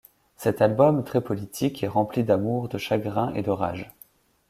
Cet album, très politique, est rempli d'amour, de chagrin et de rage.